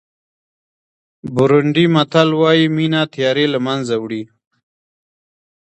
بورونډي متل وایي مینه تیارې له منځه وړي.